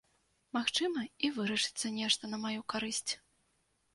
Магчыма, і вырашыцца нешта на маю карысць.